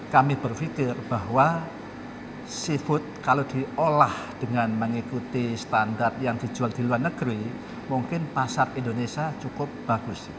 kami berpikir bahwa seafood kalau diolah dengan mengikuti standar yang dijual di luar negeri mungkin pasar indonesia cukup bagus